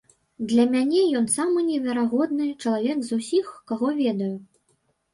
Для мяне ён самы неверагодны чалавек з усіх, каго ведаю.